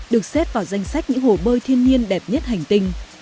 được xếp vào danh sách những hồ bơi thiên nhiên đẹp nhất hành tinh